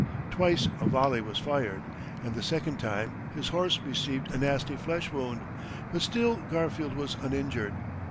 Twice a volley was fired, and the second time his horse received a nasty flesh wound; but still Garfield was uninjured.